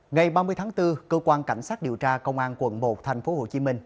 ngày ba mươi tháng bốn cơ quan cảnh sát điều tra công an quận một thành phố hồ chí minh